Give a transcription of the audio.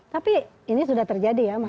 tapi ini sudah terjadi ya mas